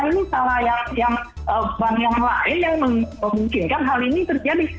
ini salah yang lain yang memungkinkan hal ini terjadi